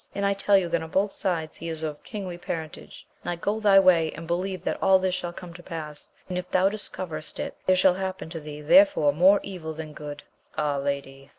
And I tell you that on both sides he is of kingly parentage. Now go thy way, and believe that all this shall come to pass, and if thou discoverest it, there shall happen to thee therefore more evil than good. Ah, lady